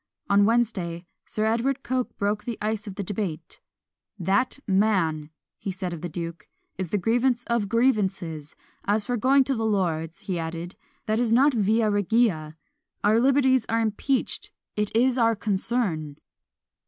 On Wednesday, Sir Edward Coke broke the ice of debate. "That man," said he of the duke, "is the grievance of grievances! As for going to the lords," he added, "that is not via regia; our liberties are impeached it is our concern!"